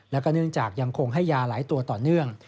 แล้วก็เนื่องจากยังคงให้ยาหลายตัวต่อเนื่อง